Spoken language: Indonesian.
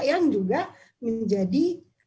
yang juga menjadi